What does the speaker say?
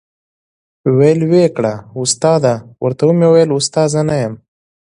ول وې کړه ، استاده ، ورته ومي ویل استاد نه یم ،